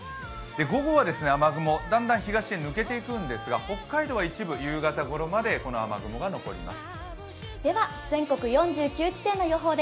午後は雨雲、だんだん東へ抜けていくんですが、北海道は一部夕方ごろまでこの雨雲が残ります。